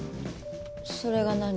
それが何？